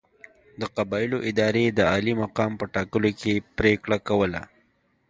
د قبایلو ادارې د عالي مقام په ټاکلو کې پرېکړه کوله.